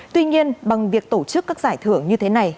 tuy nhiên bằng việc tổ chức các giải thưởng như thế này